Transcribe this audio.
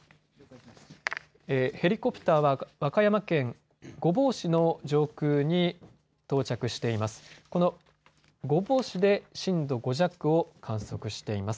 ヘリコプターは和歌山県御坊市の上空に到着しています。